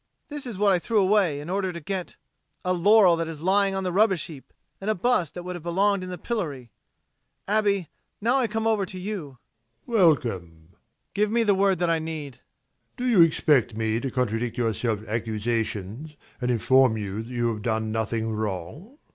This was what I threw away in order to get a laurel that is lying on the rubbish heap, and a bust that would have belonged in the pillory Abbé, now I come over to you. ABBÉ. Welcome! MAURICE. Give me the word that I need. ABBÉ. Do you expect me to contradict your self accusations and inform you that you have done nothing wrong? MAURICE.